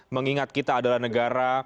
mengingat kita adalah negara